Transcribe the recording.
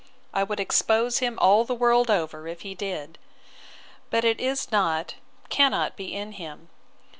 I would expose him all the world over if he did. But it is not, cannot be in him.